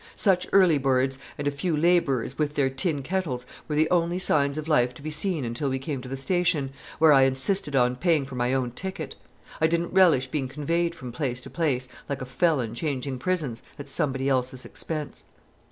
Such early birds and a few laborers with their tin kettles were the only signs of life to be seen until we came to the station, where I insisted on paying for my own ticket. I didn't relish being conveyed from place to place, like a felon changing prisons, at somebody else's expense.